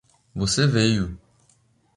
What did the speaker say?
Você veio!